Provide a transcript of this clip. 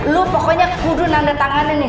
lo pokoknya kudu nanda tangan ini